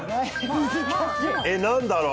えっ、何だろう。